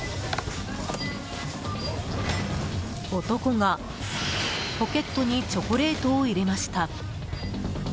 男がポケットにチョコレートを入れました。